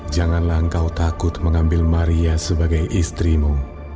janganlah engkau takut mengambil maria sebagai istrimu